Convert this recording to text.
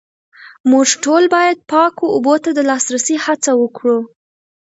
موږ ټول باید پاکو اوبو ته د لاسرسي هڅه وکړو